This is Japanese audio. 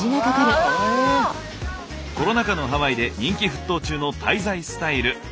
コロナ禍のハワイで人気沸騰中の滞在スタイル。